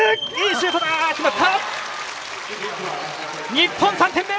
日本３点目！